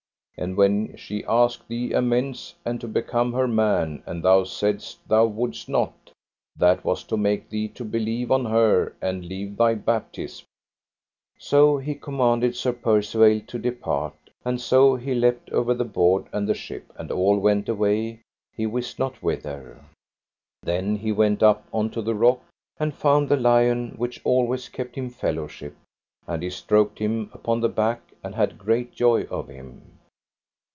And when she asked thee amends and to become her man, and thou saidst thou wouldst not, that was to make thee to believe on her and leave thy baptism. So he commanded Sir Percivale to depart, and so he leapt over the board and the ship, and all went away he wist not whither. Then he went up unto the rock and found the lion which always kept him fellowship, and he stroked him upon the back and had great joy of him.